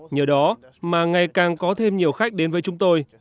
nhờ đó mà ngày càng có thêm nhiều khách đến với chúng tôi